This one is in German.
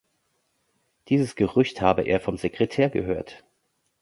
Dieses Gerücht habe er vom Sekretär gehört.